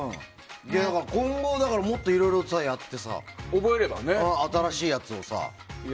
今後もっといろいろやってさ新しいやつをさ。